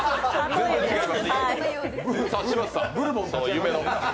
全然違います。